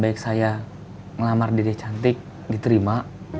baik saya ngelamar diri cantik diterima